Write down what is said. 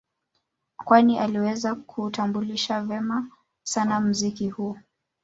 Kwani aliweza kuutambulisha vema sana mziki huu